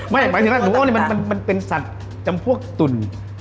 ไม่หมายถึงล่ะหนูโอนนี้มันเป็นสัตว์จำพวกตุ่น